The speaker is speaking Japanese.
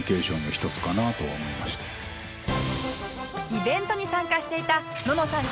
イベントに参加していたののさん